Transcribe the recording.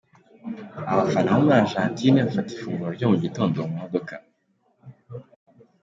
Abafana bo muri Argentine bafata ifunguro ryo mu gitondo mu modoka.